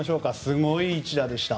すごい一打でした。